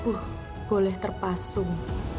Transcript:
buh boleh terpasung